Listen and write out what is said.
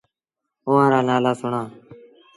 اُئآݩ رآ نآلآ سُڻآ ۔